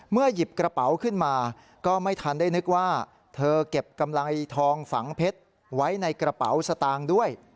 หยิบกระเป๋าขึ้นมาก็ไม่ทันได้นึกว่าเธอเก็บกำไรทองฝังเพชรไว้ในกระเป๋าสตางค์ด้วย